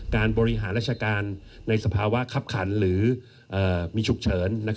การบริหารราชการในสภาวะคับขันหรือมีฉุกเฉิน